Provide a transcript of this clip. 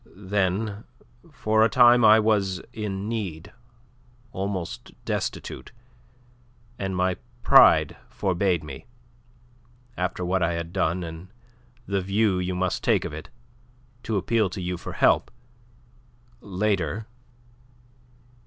Then for a time I was in need, almost destitute, and my pride forbade me, after what I had done and the view you must take of it, to appeal to you for help. Later..."